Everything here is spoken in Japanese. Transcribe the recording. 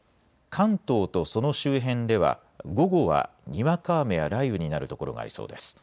関東とその周辺では午後はにわか雨や雷雨になる所がありそうです。